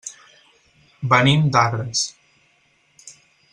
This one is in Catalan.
Venim d'Agres.